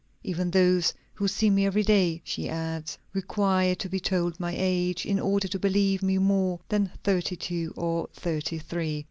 "Even those who see me every day," she adds, "require to be told my age, in order to believe me more than thirty two or thirty three."